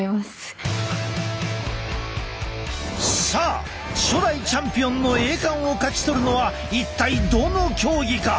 さあ初代チャンピオンの栄冠を勝ち取るのは一体どの競技か？